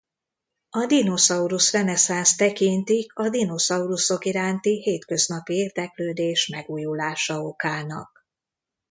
A dinoszaurusz reneszánszt tekintik a dinoszauruszok iránti hétköznapi érdeklődés megújulása okának.